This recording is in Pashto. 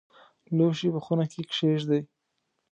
لوښي په خونه کې کښېږدئ